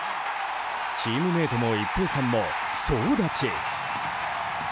チームメートも、一平さんも総立ち。